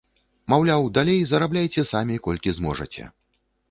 Маўляў, далей зарабляйце самі, колькі зможаце.